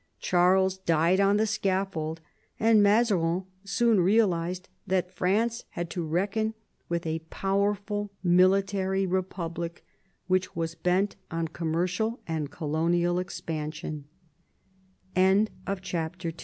Charles died on the scaffold, and Mazarin soon realised that France had to reckon with a powerful military republic which was bent on commercial and colonial expans